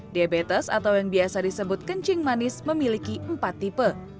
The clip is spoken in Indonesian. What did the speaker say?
diabetes atau yang biasa disebut kencing manis memiliki empat tipe